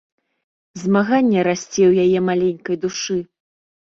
Змаганне расце ў яе маленькай душы.